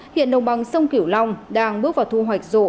hiện đồng bằng sông kiểu long đang bước vào thu hoạch rộ